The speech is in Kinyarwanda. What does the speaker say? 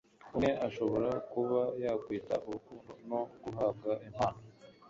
umwe ashobora kuba yakwita urukundo no guhabwa impano